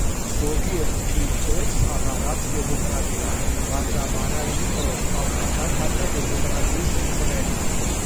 ზოგიერთ დიდ ერს აღარ აქვს დემოკრატია, მაგრამ არა იმიტომ რომ ხალხმა დაკარგა დემოკრატიის რწმენა